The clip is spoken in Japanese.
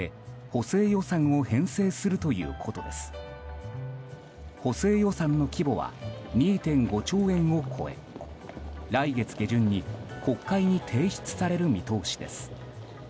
補正予算の規模は２．５兆円を超え来月下旬に国会に提出される見通しです。